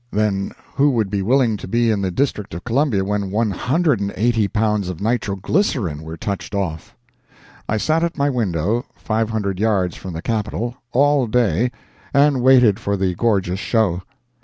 Then who would be willing to be in the District of Columbia when 180 pounds of nitro glycerine were touched off? I sat at my window, 500 yards from the Capitol, all day, and waited for the gorgeous show.